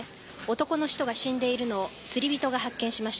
男の人が死んでいるのを釣り人が発見しました。